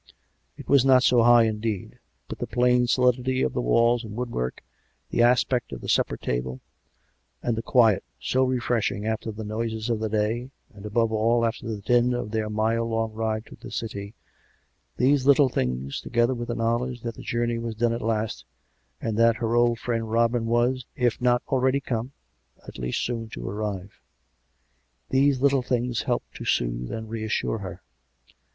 It was not so high, indeed; but the plain solidity of the walls and woodwork, the aspect of the supper table, and the quiet, so refreshing after the noises of the day, and, above all, after the din of their mile long ride through the City — these little things, together with the knowledge that the journey was done at last, and that her old friend Robin was, if not already come, at least soon to arrive — these COME RACK! COME ROPE! 147 little things helped to soothe and reassure her.